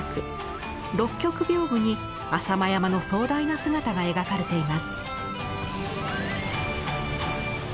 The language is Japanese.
六曲屏風に浅間山の壮大な姿が描かれています。